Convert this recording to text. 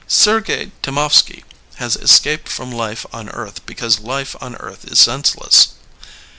'' Sergey Temovsky has escaped from life on earth because life on earth is senseless.